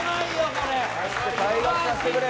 これ退学させてくれ